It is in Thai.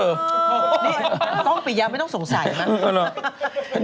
นี่กล้องปิยาไม่ต้องสงสัยนะ